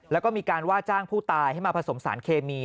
แล้วก็มีการว่าจ้างผู้ตายให้มาผสมสารเคมี